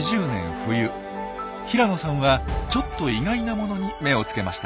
冬平野さんはちょっと意外なものに目をつけました。